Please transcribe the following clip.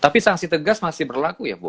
tapi sanksi tegas masih berlaku ya bu